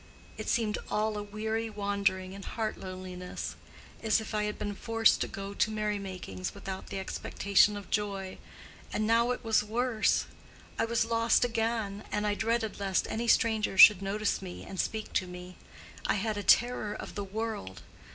It seemed all a weary wandering and heart loneliness—as if I had been forced to go to merrymakings without the expectation of joy. And now it was worse. I was lost again, and I dreaded lest any stranger should notice me and speak to me. I had a terror of the world.